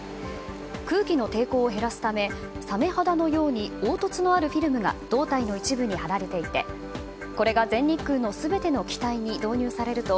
空気の抵抗を減らすためサメ肌のように凹凸のあるフィルムが胴体の一部に貼られていてこれが全日空の全ての機体に導入されると